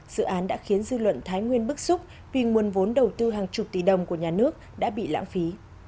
dự án đã khiến dư luận thái nguyên bức xúc vì nguồn vốn đầu tư hàng chục tỷ đồng của nhà nước đã bị lãng phí